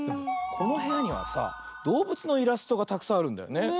このへやにはさどうぶつのイラストがたくさんあるんだよね。